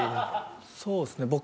そうっすね。